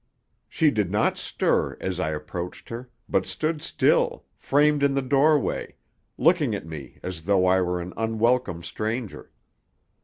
She did not stir as I approached her, but stood still, framed in the door way, looking at me as though I were an unwelcome stranger.